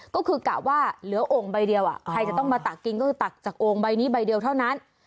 ก็คือกะว่าเหลือโอ่งใบเดียวใครจะต้องมาตักกินก็คือตักจากโอ่งใบนี้ใบเดียวเท่านั้น